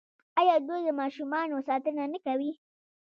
آیا دوی د ماشومانو ساتنه نه کوي؟